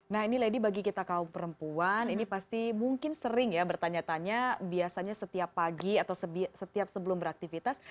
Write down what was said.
nah ini lady bagi kita kaum perempuan ini pasti mungkin sering ya bertanya tanya biasanya setiap pagi atau setiap sebelum beraktivitas